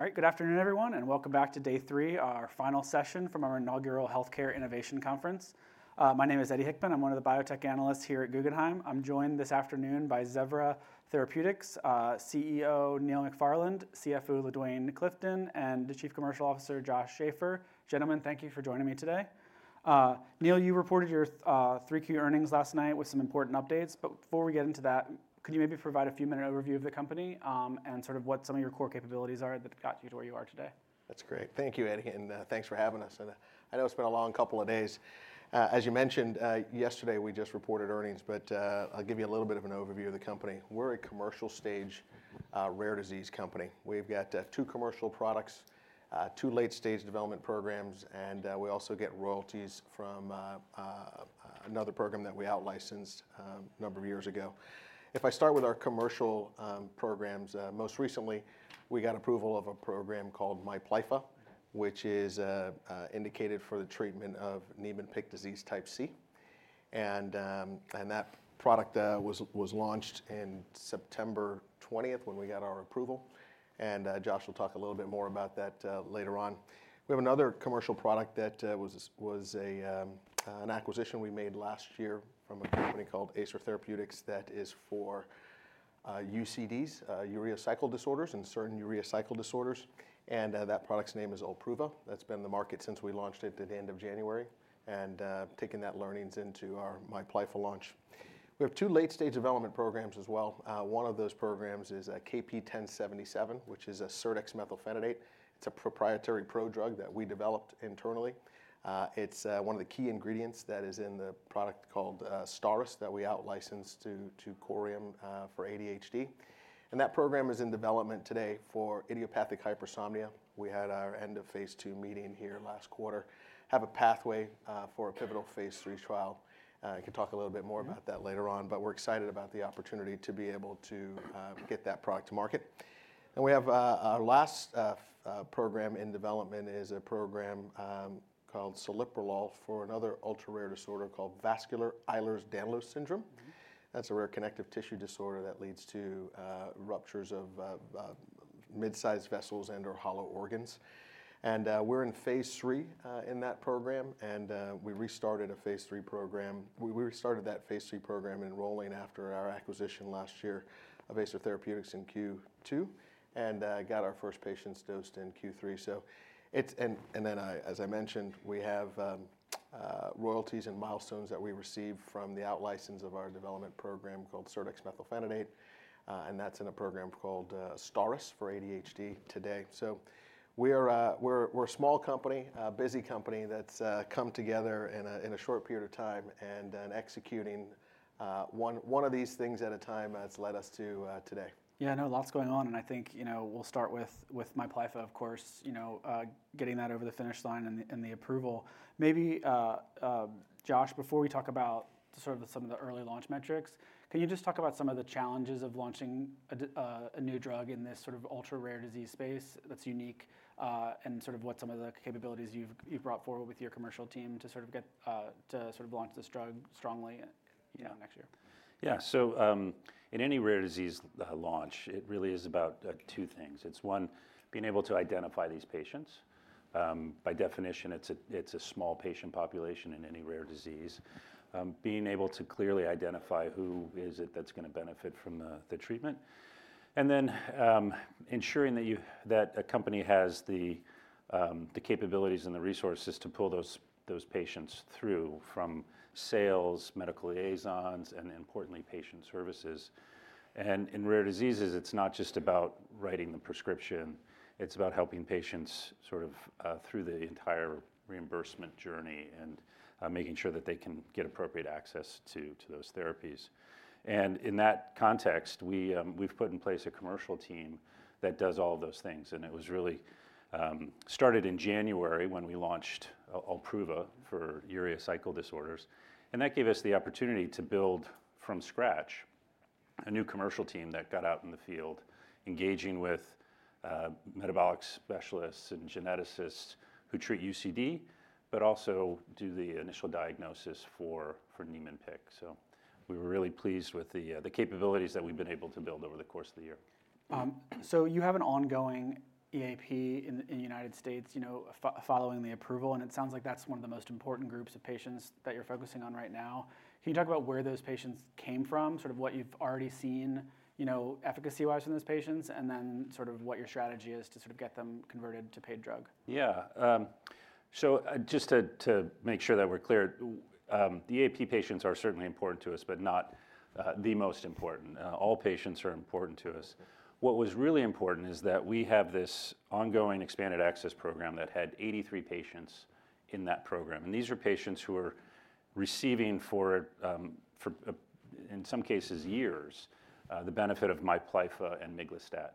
All right, good afternoon, everyone, and welcome back to day three, our final session from our inaugural Healthcare Innovation Conference. My name is Eddie Hickman. I'm one of the biotech analysts here at Guggenheim. I'm joined this afternoon by Zevra Therapeutics, CEO Neil McFarlane, CFO LaDuane Clifton, and the Chief Commercial Officer Josh Schafer. Gentlemen, thank you for joining me today. Neil, you reported your third quarter earnings last night with some important updates. But before we get into that, could you maybe provide a few-minute overview of the company and sort of what some of your core capabilities are that got you to where you are today? That's great. Thank you, Eddie, and thanks for having us. I know it's been a long couple of days. As you mentioned, yesterday we just reported earnings, but I'll give you a little bit of an overview of the company. We're a commercial stage rare disease company. We've got two commercial products, two late-stage development programs, and we also get royalties from another program that we out-licensed a number of years ago. If I start with our commercial programs, most recently we got approval of a program called MIPLYFFA, which is indicated for the treatment of Niemann-Pick disease type C. That product was launched in September 20th when we got our approval. Josh will talk a little bit more about that later on. We have another commercial product that was an acquisition we made last year from a company called Acer Therapeutics that is for UCDs, urea cycle disorders and certain urea cycle disorders, and that product's name is OLPRUVA. That's been in the market since we launched it at the end of January, and taking that learnings into our MIPLYFFA launch. We have two late-stage development programs as well. One of those programs is KP1077, which is a serdexmethylphenidate. It's a proprietary prodrug that we developed internally. It's one of the key ingredients that is in the product called AZSTARYS that we out-licensed to Corium for ADHD, and that program is in development today for idiopathic hypersomnia. We had our end of phase two meeting here last quarter, have a pathway for a pivotal phase three trial. I can talk a little bit more about that later on, but we're excited about the opportunity to be able to get that product to market. And we have our last program in development is a program called celiprolol for another ultra rare disorder called vascular Ehlers-Danlos syndrome. That's a rare connective tissue disorder that leads to ruptures of mid-sized vessels and/or hollow organs. And we're in phase three in that program, and we restarted that phase three program enrolling after our acquisition last year of Acer Therapeutics in Q2 and got our first patients dosed in Q3. So, as I mentioned, we have royalties and milestones that we received from the out-license of our development program called Serdexmethylphenidate, and that's in a program called AZSTARYS for ADHD today. So we're a small company, a busy company that's come together in a short period of time and executing one of these things at a time that's led us to today. Yeah, I know lots going on, and I think, you know, we'll start with MIPLYFFA, of course, you know, getting that over the finish line and the approval. Maybe, Josh, before we talk about sort of some of the early launch metrics, can you just talk about some of the challenges of launching a new drug in this sort of ultra rare disease space that's unique and sort of what some of the capabilities you've brought forward with your commercial team to sort of get to sort of launch this drug strongly, you know, next year? Yeah, so in any rare disease launch, it really is about two things. It's one, being able to identify these patients. By definition, it's a small patient population in any rare disease, being able to clearly identify who is it that's going to benefit from the treatment, and then ensuring that a company has the capabilities and the resources to pull those patients through from sales, medical liaisons, and importantly, patient services. And in rare diseases, it's not just about writing the prescription. It's about helping patients sort of through the entire reimbursement journey and making sure that they can get appropriate access to those therapies. And in that context, we've put in place a commercial team that does all of those things. And it was really started in January when we launched OLPRUVA for urea cycle disorders. And that gave us the opportunity to build from scratch a new commercial team that got out in the field, engaging with metabolic specialists and geneticists who treat UCD, but also do the initial diagnosis for Niemann-Pick. So we were really pleased with the capabilities that we've been able to build over the course of the year. So you have an ongoing EAP in the United States, you know, following the approval, and it sounds like that's one of the most important groups of patients that you're focusing on right now. Can you talk about where those patients came from, sort of what you've already seen, you know, efficacy-wise in those patients, and then sort of what your strategy is to sort of get them converted to paid drug? Yeah. So just to make sure that we're clear, the EAP patients are certainly important to us, but not the most important. All patients are important to us. What was really important is that we have this ongoing expanded access program that had 83 patients in that program, and these are patients who are receiving for, in some cases, years the benefit of MIPLYFFA and miglustat.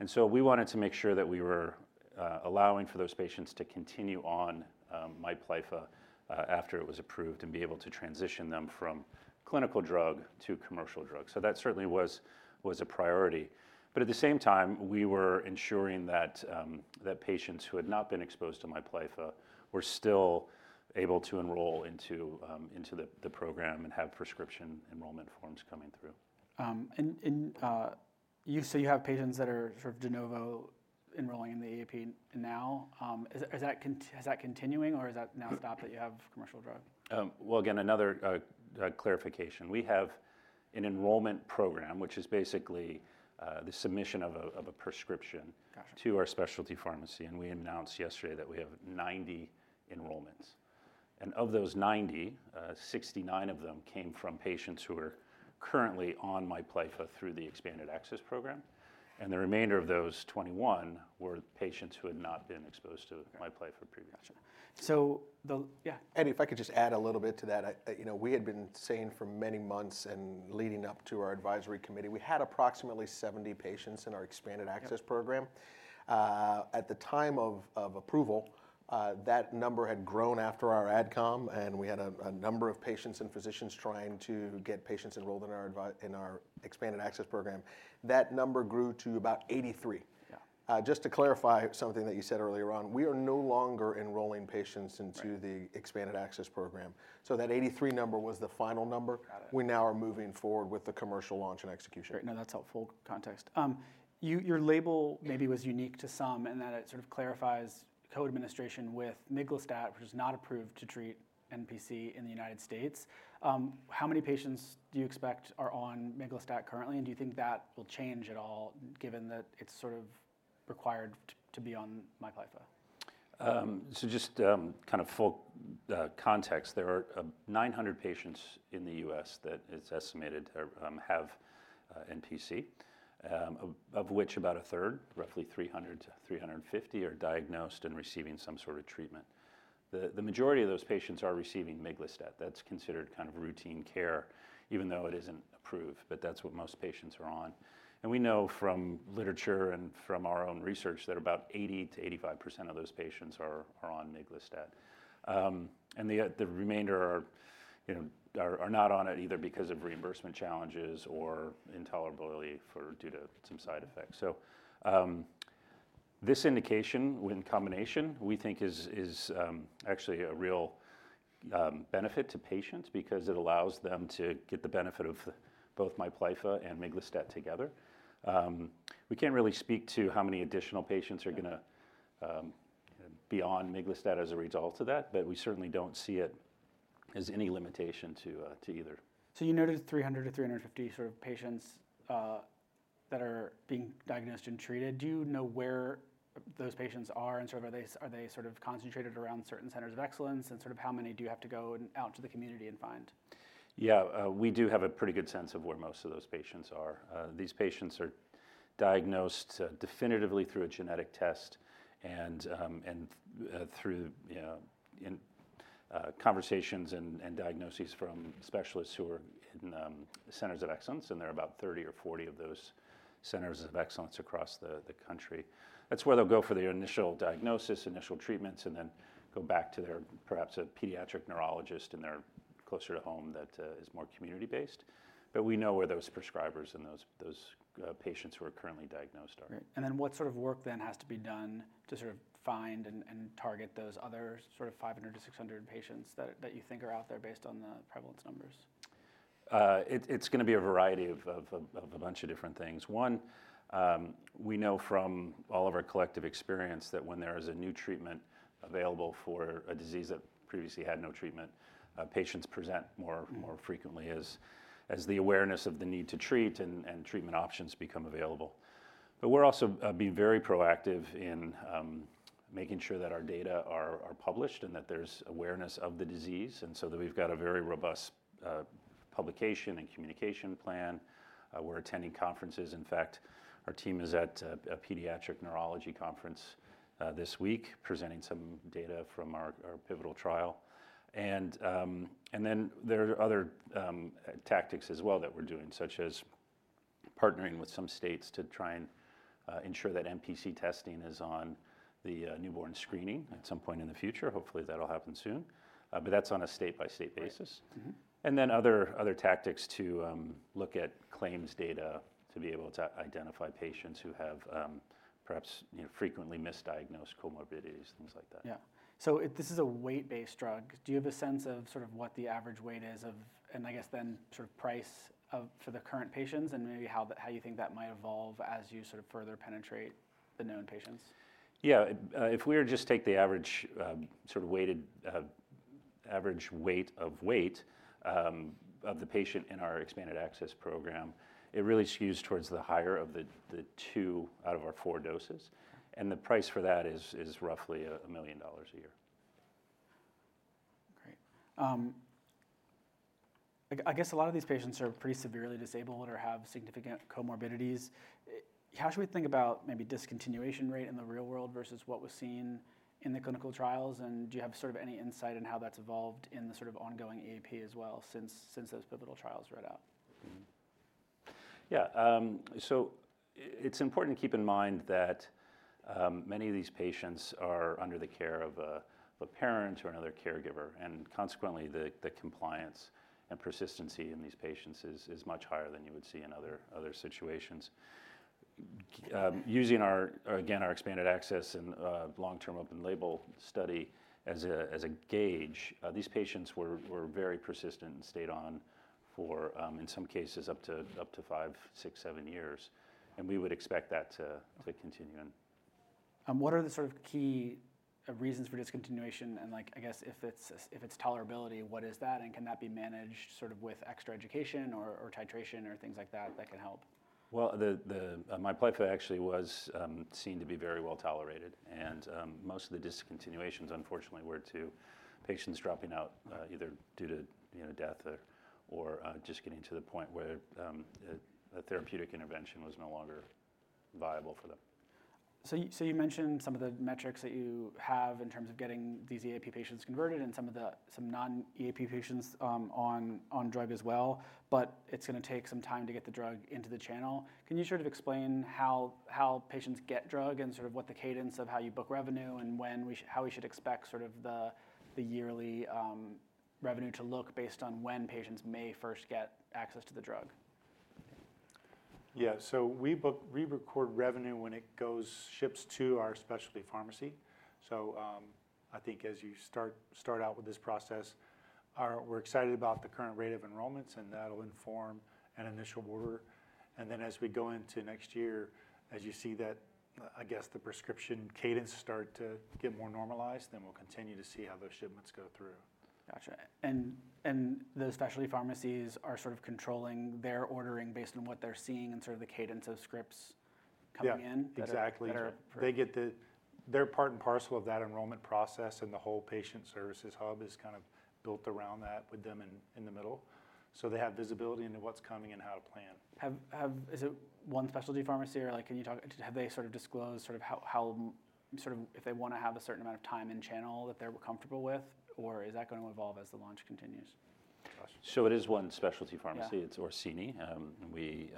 And so we wanted to make sure that we were allowing for those patients to continue on MIPLYFFA after it was approved and be able to transition them from clinical drug to commercial drug, so that certainly was a priority. But at the same time, we were ensuring that patients who had not been exposed to MIPLYFFA were still able to enroll into the program and have prescription enrollment forms coming through. And you say you have patients that are sort of de novo enrolling in the EAP now. Is that continuing, or is that now stopped that you have commercial drug? Again, another clarification. We have an enrollment program, which is basically the submission of a prescription to our specialty pharmacy. We announced yesterday that we have 90 enrollments. Of those 90, 69 of them came from patients who are currently on MIPLYFFA through the expanded access program. The remainder of those 21 were patients who had not been exposed to MIPLYFFA previously. Gotcha. So the, yeah. Eddie, if I could just add a little bit to that, you know, we had been saying for many months and leading up to our advisory committee, we had approximately 70 patients in our expanded access program. At the time of approval, that number had grown after our AdCom, and we had a number of patients and physicians trying to get patients enrolled in our expanded access program. That number grew to about 83. Just to clarify something that you said earlier on, we are no longer enrolling patients into the expanded access program. So that 83 number was the final number. We now are moving forward with the commercial launch and execution. Great. No, that's helpful context. Your label maybe was unique to some in that it sort of clarifies co-administration with miglustat, which is not approved to treat NPC in the United States. How many patients do you expect are on miglustat currently, and do you think that will change at all given that it's sort of required to be on MIPLYFFA? Just kind of full context, there are 900 patients in the U.S. that it's estimated have NPC, of which about a third, roughly 300-350, are diagnosed and receiving some sort of treatment. The majority of those patients are receiving miglustat. That's considered kind of routine care, even though it isn't approved, but that's what most patients are on. And we know from literature and from our own research that about 80%-85% of those patients are on miglustat. And the remainder are not on it either because of reimbursement challenges or intolerability due to some side effects. So this indication in combination, we think, is actually a real benefit to patients because it allows them to get the benefit of both MIPLYFFA and miglustat together. We can't really speak to how many additional patients are going to be on miglustat as a result of that, but we certainly don't see it as any limitation to either. So you noted 300-350 sort of patients that are being diagnosed and treated. Do you know where those patients are and sort of are they sort of concentrated around certain centers of excellence and sort of how many do you have to go out to the community and find? Yeah, we do have a pretty good sense of where most of those patients are. These patients are diagnosed definitively through a genetic test and through conversations and diagnoses from specialists who are in centers of excellence, and there are about 30 or 40 of those centers of excellence across the country. That's where they'll go for their initial diagnosis, initial treatments, and then go back to their perhaps a pediatric neurologist and they're closer to home that is more community-based. But we know where those prescribers and those patients who are currently diagnosed are. And then what sort of work then has to be done to sort of find and target those other sort of 500-600 patients that you think are out there based on the prevalence numbers? It's going to be a variety of a bunch of different things. One, we know from all of our collective experience that when there is a new treatment available for a disease that previously had no treatment, patients present more frequently as the awareness of the need to treat and treatment options become available, but we're also being very proactive in making sure that our data are published and that there's awareness of the disease and so that we've got a very robust publication and communication plan. We're attending conferences. In fact, our team is at a pediatric neurology conference this week presenting some data from our pivotal trial, and then there are other tactics as well that we're doing, such as partnering with some states to try and ensure that NPC testing is on the newborn screening at some point in the future. Hopefully that'll happen soon, but that's on a state-by-state basis, and then other tactics to look at claims data to be able to identify patients who have perhaps frequently misdiagnosed comorbidities, things like that. Yeah. So this is a weight-based drug. Do you have a sense of sort of what the average weight is of, and I guess then sort of price for the current patients and maybe how you think that might evolve as you sort of further penetrate the known patients? Yeah. If we were to just take the average sort of weighted average weight of the patient in our Expanded Access Program, it really skews towards the higher of the two out of our four doses. And the price for that is roughly $1 million a year. Great. I guess a lot of these patients are pretty severely disabled or have significant comorbidities. How should we think about maybe discontinuation rate in the real world versus what was seen in the clinical trials? And do you have sort of any insight on how that's evolved in the sort of ongoing EAP as well since those pivotal trials read out? Yeah, so it's important to keep in mind that many of these patients are under the care of a parent or another caregiver, and consequently, the compliance and persistency in these patients is much higher than you would see in other situations. Using our, again, our expanded access and long-term open label study as a gauge, these patients were very persistent and stayed on for, in some cases, up to five, six, seven years, and we would expect that to continue. And what are the sort of key reasons for discontinuation? And like, I guess if it's tolerability, what is that? And can that be managed sort of with extra education or titration or things like that that can help? The MIPLYFFA actually was seen to be very well tolerated. Most of the discontinuations, unfortunately, were to patients dropping out either due to death or just getting to the point where a therapeutic intervention was no longer viable for them. So you mentioned some of the metrics that you have in terms of getting these EAP patients converted and some of the non-EAP patients on drug as well, but it's going to take some time to get the drug into the channel. Can you sort of explain how patients get drug and sort of what the cadence of how you book revenue and how we should expect sort of the yearly revenue to look based on when patients may first get access to the drug? Yeah. So we record revenue when it ships to our specialty pharmacy. So I think as you start out with this process, we're excited about the current rate of enrollments, and that'll inform an initial order. And then as we go into next year, as you see that, I guess the prescription cadence start to get more normalized, then we'll continue to see how those shipments go through. Gotcha. And the specialty pharmacies are sort of controlling their ordering based on what they're seeing and sort of the cadence of scripts coming in? Yeah, exactly. They get their part and parcel of that enrollment process, and the whole patient services hub is kind of built around that with them in the middle. So they have visibility into what's coming and how to plan. Is it one specialty pharmacy or like can you talk have they sort of disclosed sort of how sort of if they want to have a certain amount of time in channel that they're comfortable with, or is that going to evolve as the launch continues? So it is one specialty pharmacy, it's Orsini. We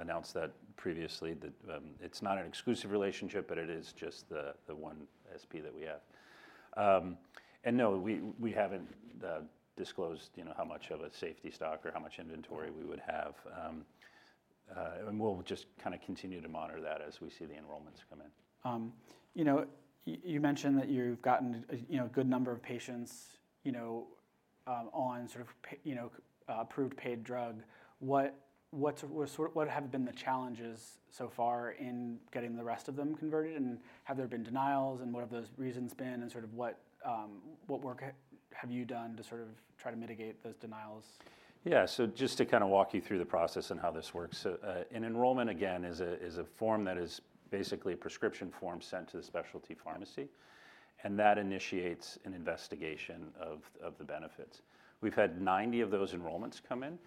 announced that previously, that it's not an exclusive relationship, but it is just the one SP that we have. And no, we haven't disclosed how much of a safety stock or how much inventory we would have. And we'll just kind of continue to monitor that as we see the enrollments come in. You know, you mentioned that you've gotten a good number of patients on sort of approved paid drug. What have been the challenges so far in getting the rest of them converted? And have there been denials? And what have those reasons been? And sort of what work have you done to sort of try to mitigate those denials? Yeah. So just to kind of walk you through the process and how this works. An enrollment, again, is a form that is basically a prescription form sent to the specialty pharmacy. And that initiates an investigation of the benefits. We've had 90 of those enrollments come in,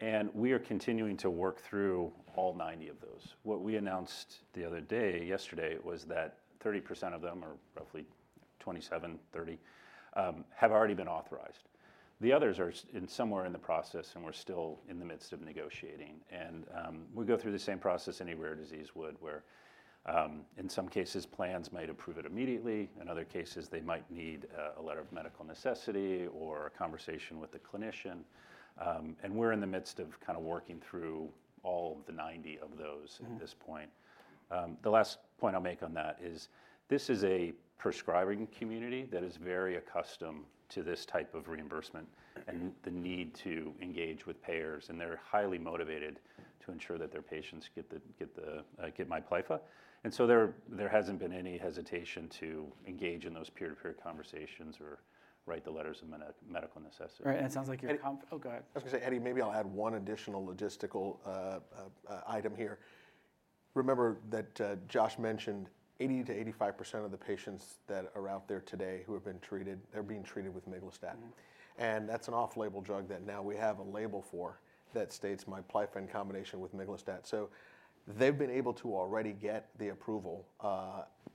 and we are continuing to work through all 90 of those. What we announced the other day, yesterday, was that 30% of them, or roughly 27, 30, have already been authorized. The others are somewhere in the process, and we're still in the midst of negotiating. And we go through the same process any rare disease would, where in some cases, plans might approve it immediately. In other cases, they might need a letter of medical necessity or a conversation with the clinician. And we're in the midst of kind of working through all of the 90 of those at this point. The last point I'll make on that is this is a prescribing community that is very accustomed to this type of reimbursement and the need to engage with payers. And they're highly motivated to ensure that their patients get MIPLYFFA. And so there hasn't been any hesitation to engage in those peer-to-peer conversations or write the letters of medical necessity. Right. And it sounds like you're, go ahead. I was going to say, Eddie, maybe I'll add one additional logistical item here. Remember that Josh mentioned 80%-85% of the patients that are out there today who have been treated, they're being treated with miglustat. And that's an off-label drug that now we have a label for that states MIPLYFFA in combination with miglustat. So they've been able to already get the approval,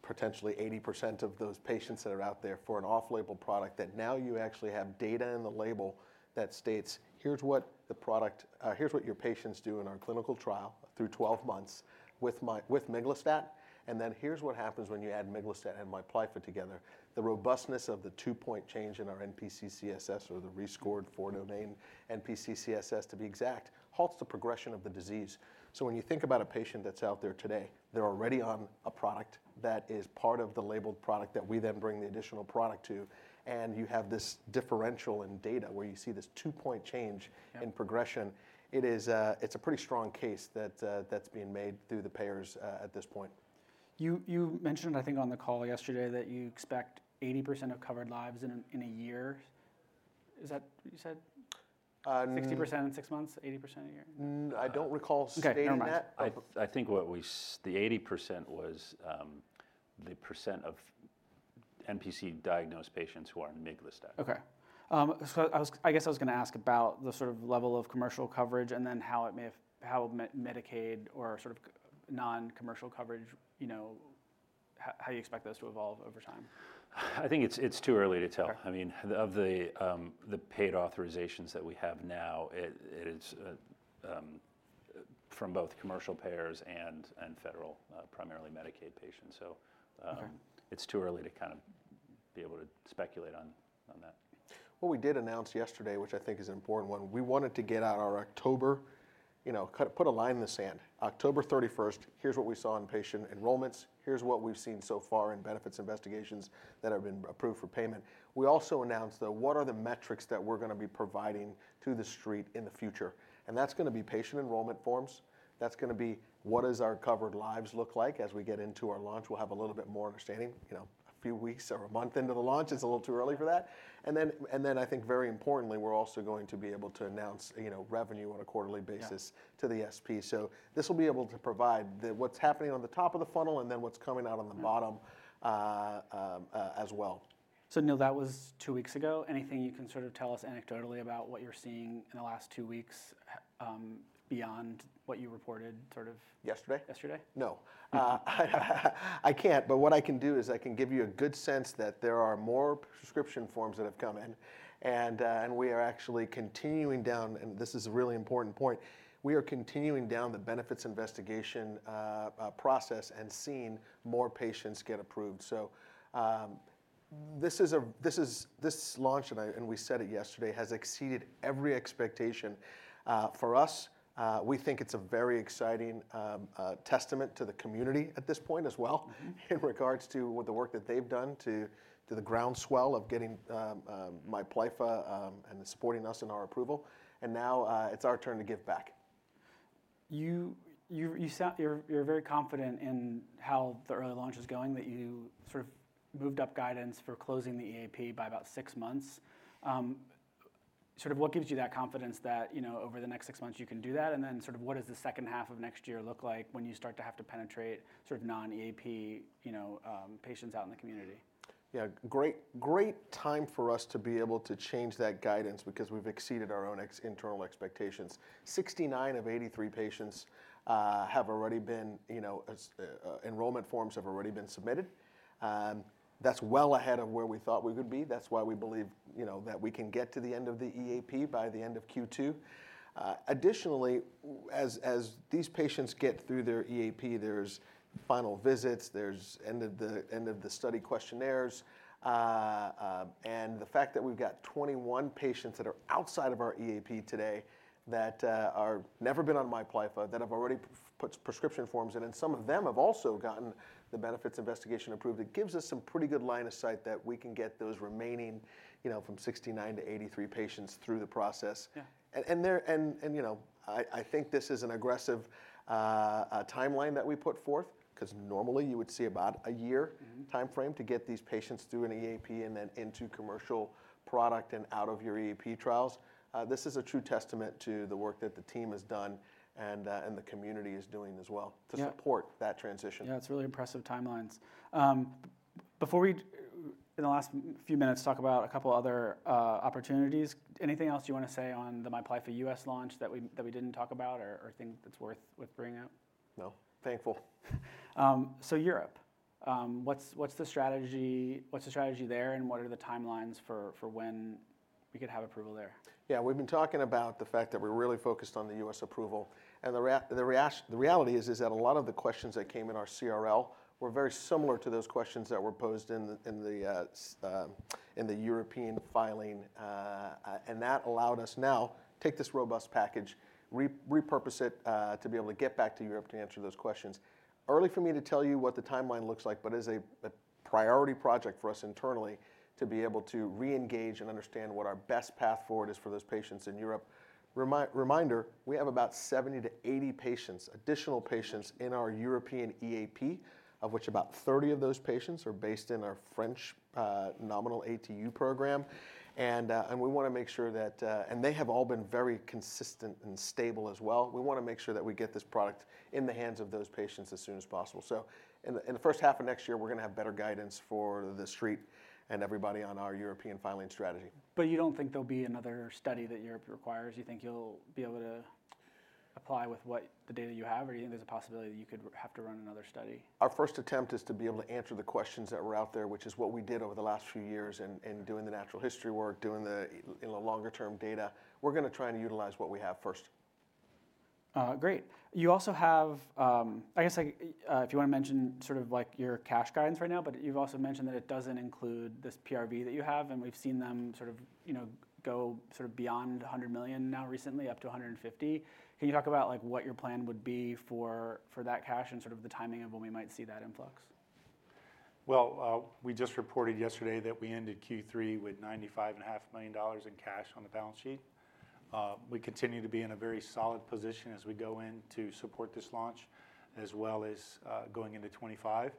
potentially 80% of those patients that are out there for an off-label product that now you actually have data in the label that states, here's what the product, here's what your patients do in our clinical trial through 12 months with miglustat. And then here's what happens when you add miglustat and MIPLYFFA together. The robustness of the two-point change in our NPC CSS, or the rescored four-domain NPC CSS to be exact, halts the progression of the disease. When you think about a patient that's out there today, they're already on a product that is part of the labeled product that we then bring the additional product to. You have this differential in data where you see this two-point change in progression. It's a pretty strong case that's being made through the payers at this point. You mentioned, I think on the call yesterday, that you expect 80% of covered lives in a year. Is that what you said? 60% in six months, 80% in a year? I don't recall stating that. I think what the 80% was the percent of NPC diagnosed patients who are on miglustat. Okay. So I guess I was going to ask about the sort of level of commercial coverage and then how it may have, how Medicaid or sort of non-commercial coverage, how you expect those to evolve over time? I think it's too early to tell. I mean, of the paid authorizations that we have now, it is from both commercial payers and federal, primarily Medicaid patients. So it's too early to kind of be able to speculate on that. What we did announce yesterday, which I think is an important one, we wanted to get out our October, put a line in the sand. October 31st, here's what we saw in patient enrollments. Here's what we've seen so far in benefits investigations that have been approved for payment. We also announced though, what are the metrics that we're going to be providing to the Street in the future, and that's going to be patient enrollment forms. That's going to be what does our covered lives look like as we get into our launch. We'll have a little bit more understanding a few weeks or a month into the launch. It's a little too early for that. And then I think very importantly, we're also going to be able to announce revenue on a quarterly basis to the SP. So this will be able to provide what's happening on the top of the funnel and then what's coming out on the bottom as well. So Neil, that was two weeks ago. Anything you can sort of tell us anecdotally about what you're seeing in the last two weeks beyond what you reported sort of? Yesterday? Yesterday. No. I can't, but what I can do is I can give you a good sense that there are more prescription forms that have come in, and we are actually continuing down, and this is a really important point. We are continuing down the benefits investigation process and seeing more patients get approved, so this launch, and we said it yesterday, has exceeded every expectation for us. We think it's a very exciting testament to the community at this point as well in regards to the work that they've done to the groundswell of getting MIPLYFFA and supporting us in our approval, and now it's our turn to give back. You're very confident in how the early launch is going that you sort of moved up guidance for closing the EAP by about six months. Sort of what gives you that confidence that over the next six months you can do that? And then sort of what does the second half of next year look like when you start to have to penetrate sort of non-EAP patients out in the community? Yeah. Great time for us to be able to change that guidance because we've exceeded our own internal expectations. 69 of 83 patients' enrollment forms have already been submitted. That's well ahead of where we thought we could be. That's why we believe that we can get to the end of the EAP by the end of Q2. Additionally, as these patients get through their EAP, there's final visits, there's end of the study questionnaires, and the fact that we've got 21 patients that are outside of our EAP today that have never been on MIPLYFFA, that have already put prescription forms, and then some of them have also gotten the benefits investigation approved, it gives us some pretty good line of sight that we can get those remaining from 69 to 83 patients through the process. And I think this is an aggressive timeline that we put forth because normally you would see about a year timeframe to get these patients through an EAP and then into commercial product and out of your EAP trials. This is a true testament to the work that the team has done and the community is doing as well to support that transition. Yeah. It's really impressive timelines. Before we, in the last few minutes, talk about a couple of other opportunities, anything else you want to say on the MIPLYFFA U.S. launch that we didn't talk about or think that's worth bringing up? No. Thankful. So Europe, what's the strategy there and what are the timelines for when we could have approval there? Yeah. We've been talking about the fact that we're really focused on the U.S. approval. And the reality is that a lot of the questions that came in our CRL were very similar to those questions that were posed in the European filing. And that allowed us now to take this robust package, repurpose it to be able to get back to Europe to answer those questions. It's early for me to tell you what the timeline looks like, but it is a priority project for us internally to be able to reengage and understand what our best path forward is for those patients in Europe. Reminder, we have about 70 to 80 patients, additional patients in our European EAP, of which about 30 of those patients are based in our French national ATU program. We want to make sure that, and they have all been very consistent and stable as well. We want to make sure that we get this product in the hands of those patients as soon as possible. In the first half of next year, we're going to have better guidance for the Street and everybody on our European filing strategy. But you don't think there'll be another study that Europe requires? You think you'll be able to apply with what the data you have? Or do you think there's a possibility that you could have to run another study? Our first attempt is to be able to answer the questions that were out there, which is what we did over the last few years in doing the natural history work, doing the longer-term data. We're going to try and utilize what we have first. Great. You also have, I guess if you want to mention sort of like your cash guidance right now, but you've also mentioned that it doesn't include this PRV that you have. And we've seen them sort of go sort of beyond $100 million now recently, up to $150 million. Can you talk about what your plan would be for that cash and sort of the timing of when we might see that influx? We just reported yesterday that we ended Q3 with $95.5 million in cash on the balance sheet. We continue to be in a very solid position as we go in to support this launch as well as going into 2025.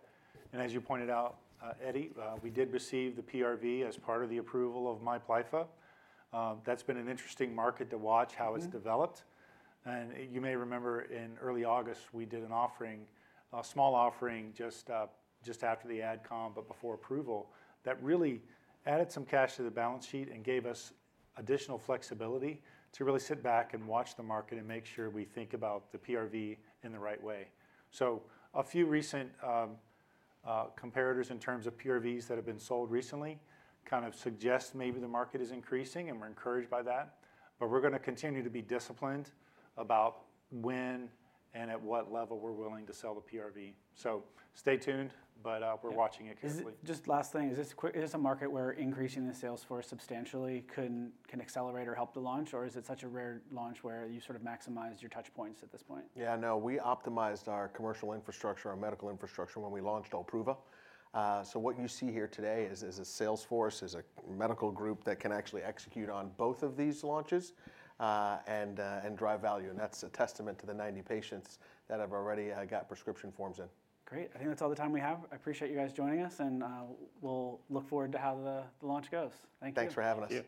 As you pointed out, Eddie, we did receive the PRV as part of the approval of MIPLYFFA. That's been an interesting market to watch how it's developed. You may remember in early August, we did an offering, a small offering just after the adcom, but before approval that really added some cash to the balance sheet and gave us additional flexibility to really sit back and watch the market and make sure we think about the PRV in the right way. So a few recent comparators in terms of PRVs that have been sold recently kind of suggest maybe the market is increasing and we're encouraged by that. But we're going to continue to be disciplined about when and at what level we're willing to sell the PRV. So stay tuned, but we're watching it carefully. Just last thing, is this a market where increasing the sales force substantially can accelerate or help the launch? Or is it such a rare launch where you sort of maximize your touch points at this point? Yeah. No, we optimized our commercial infrastructure, our medical infrastructure when we launched OLPRUVA. So what you see here today is a sales force, is a medical group that can actually execute on both of these launches and drive value. And that's a testament to the 90 patients that have already got prescription forms in. Great. I think that's all the time we have. I appreciate you guys joining us. And we'll look forward to how the launch goes. Thank you. Thanks for having us. Yeah.